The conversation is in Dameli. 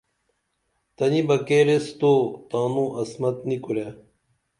تنی بہ کیر ایس تو تانوں عصمت نی کُرے